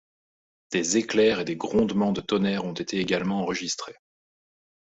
Des éclairs et des grondements de tonnerre ont été également enregistrés.